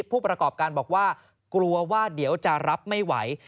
ผู้ประกอบการบอกว่ากลัวว่าเดี๋ยวจะรับไม่ไหว